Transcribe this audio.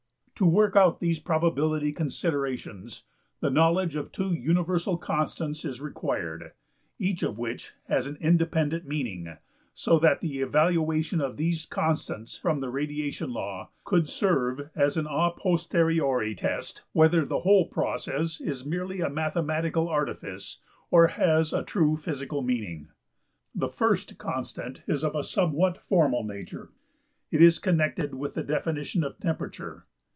To work out these probability considerations the knowledge of two universal constants is required, each of which has an independent meaning, so that the evaluation of these constants from the radiation law could serve as an a posteriori test whether the whole process is merely a mathematical artifice or has a true physical meaning. The first constant is of a somewhat formal nature; it is connected with the definition of temperature.